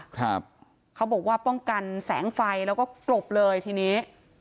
ครับเขาบอกว่าป้องกันแสงไฟแล้วก็กลบเลยทีนี้